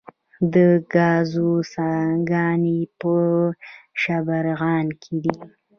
د ګازو څاګانې په شبرغان کې دي